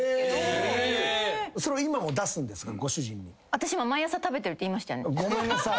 私今毎朝食べてるって言いましたよね？